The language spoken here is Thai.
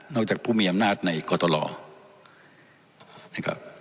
นอกจากผู้มีอำนาจในกตลอด